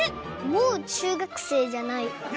もう中学生じゃない。